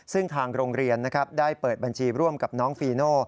ซึ่งทางโรงเรียนได้เปิดบัญชีร่วมกับน้องฟีโน่